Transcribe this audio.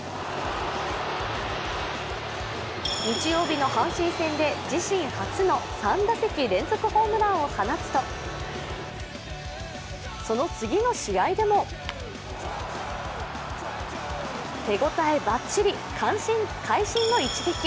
日曜日の阪神戦で自身初の３打席連続ホームランを放つとその次の試合でも手応えバッチリ、会心の一撃。